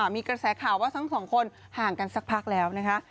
มีกระแสข่าวว่าทั้งสองคนห่างกันสักพักแล้วนะคะ